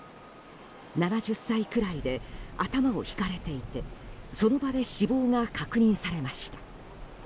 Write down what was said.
７０歳くらいで頭をひかれていてその場で死亡が確認されました。